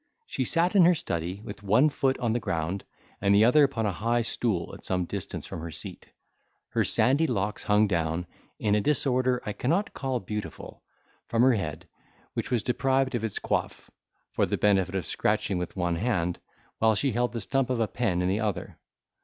She sat in her study, with one foot on the ground, and the other upon a high stool at some distance from her seat; her sandy locks hung down, in a disorder I cannot call beautiful, from her head, which was deprived of its coif, for the benefit of scratching with one hand, while she held the stump of a pen in the other.